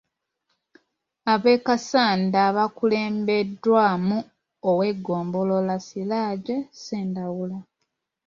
Ab’e Kassanda baakulembeddwamu ow’eggombolola Siraje Ssendawula.